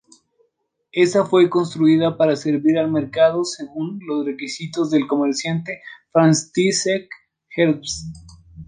Esta fue construida para servir de mercado según los requisitos del comerciante František Herbst.